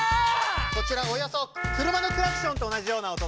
こちらおよそ車のクラクションと同じような音。